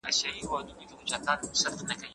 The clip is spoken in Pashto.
که یو زده کوونکی په شوق املا ولیکي نو پرمختګ کوي.